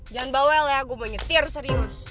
jangan bawel ya gue mau nyetir serius